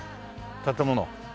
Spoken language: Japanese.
建物。